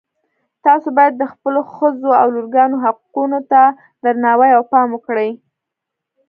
تاسو باید د خپلو ښځو او لورګانو حقونو ته درناوی او پام وکړئ